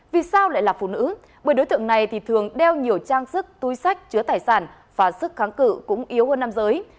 vì sao lại là phụ nữ bởi đối tượng này thường đeo nhiều trang sức túi sách chứa tài sản và sức kháng cự cũng yếu hơn nam giới